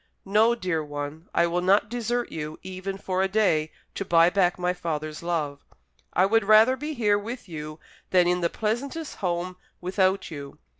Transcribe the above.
"No, dear one; I will not desert you, even for a day, to buy back my father's love. I would rather be here with you than in the pleasantest home without you.